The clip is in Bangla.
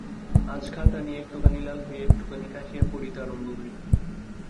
আজ খাতা আনিয়া একটুখানি লাল হইয়া, একটুখানি কাশিয়া, পড়িতে আরম্ভ করিল।